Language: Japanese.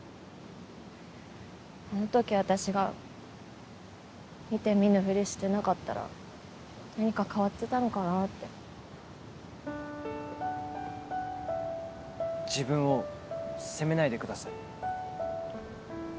あの時私が見て見ぬふりしてなかったら何か変わってたのかなって自分を責めないでください